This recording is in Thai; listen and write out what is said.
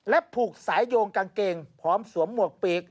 ผูกสายโยงกางเกงพร้อมสวมหมวกปีก